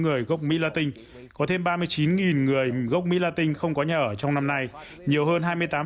người gốc mỹ la tinh có thêm ba mươi chín người gốc mỹ la tinh không có nhà ở trong năm nay nhiều hơn